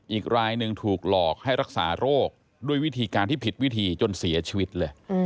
อีกรายหนึ่งถูกหลอกให้รักษาโรคด้วยวิธีการที่ผิดวิธีจนเสียชีวิตเลย